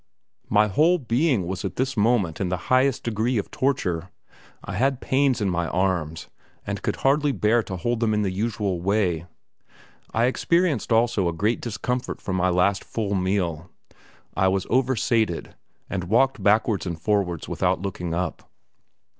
My whole being was at this moment in the highest degree of torture, I had pains in my arms, and could hardly bear to hold them in the usual way. I experienced also great discomfort from my last full meal; I was oversated, and walked backwards and forwards without looking up.